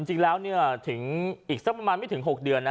จริงแล้วถึงอีกสักประมาณไม่ถึง๖เดือนนะ